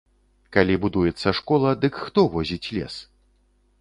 Калі будуецца школа, дык хто возіць лес?